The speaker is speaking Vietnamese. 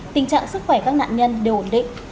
tình trạng sức khỏe các nạn nhân đều ổn định